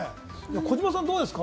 児嶋さん、どうですか？